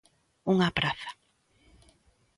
Unha praza.